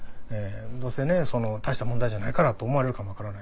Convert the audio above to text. どうせ大した問題じゃないからと思われるかも分からない。